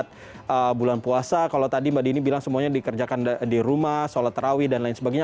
mbak dini bilang semuanya dikerjakan di rumah sholat terawih dan lain sebagainya